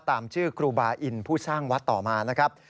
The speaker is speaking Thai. ตามชื่อครูบาอินผู้สร้างวัดต่อมานะครับ